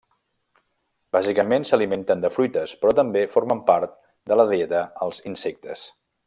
Bàsicament s'alimenten de fruites, però també formen part de la dieta els insectes.